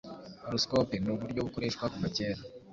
horoscope ni uburyo bukoreshwa kuva kera